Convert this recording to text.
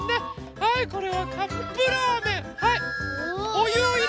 はいこれはカップラーメン。